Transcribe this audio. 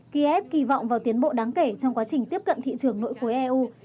kiev kỳ vọng vào tiến bộ đáng kể trong quá trình tiếp cận thị trường nội khối eu